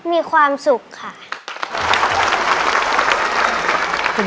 มีความสุขค่ะ